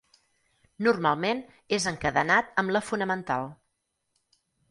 Normalment és encadenat amb la fonamental.